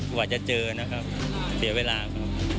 กว่าจะเจอนะครับเสียเวลาครับ